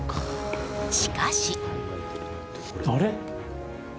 しかし。